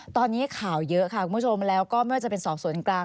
ตอนนี้ข่าวเยอะค่ะคุณผู้ชมแล้วก็ไม่ว่าจะเป็นสอบสวนกลาง